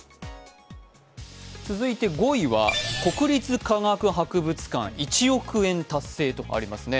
続いて５位は国立科学博物館１億円達成とありますね。